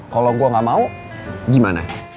kalau gue gak mau gimana